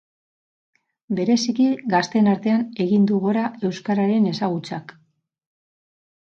Bereziki gazteen artean egin du gora euskararen ezagutzak.